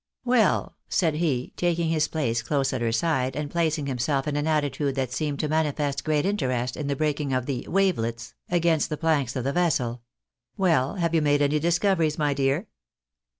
"Well," said he, taking his place close at her side, and placing himself in an attitude tha^ seemed to manifest great interest in the breaking of the " wavelets " against the planks of the vessel, " well, have you made any discoveries, my dear